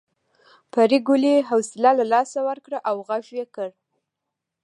پريګلې حوصله له لاسه ورکړه او غږ یې کړ